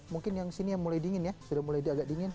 mungkin yang sini yang mulai dingin ya sudah mulai agak dingin